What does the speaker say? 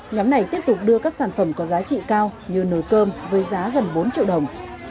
nhóm này tiếp tục đưa các sản phẩm có giá trị cao như nồi cơm với giá gần bốn triệu đồng